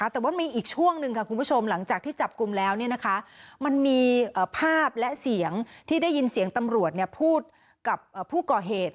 แต่ว่ามีอีกช่วงหนึ่งค่ะคุณผู้ชมหลังจากที่จับกลุ่มแล้วมันมีภาพและเสียงที่ได้ยินเสียงตำรวจพูดกับผู้ก่อเหตุ